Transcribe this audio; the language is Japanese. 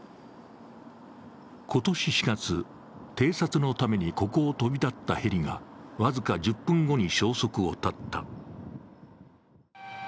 今年４月、偵察のためにここを飛び立ったヘリが僅か１０分後に消息を絶った。